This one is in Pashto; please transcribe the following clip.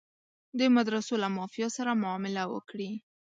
د مدرسو له مافیا سره معامله وکړي.